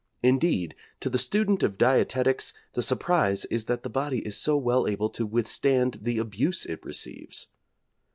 Indeed, to the student of dietetics, the surprise is that the body is so well able to withstand the abuse it receives.